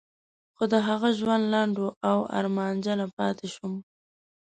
خو د هغه ژوند لنډ و او ارمانجنه پاتې شوم.